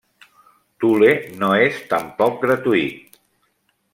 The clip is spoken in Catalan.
Thule no és tampoc gratuït.